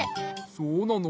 そうなの？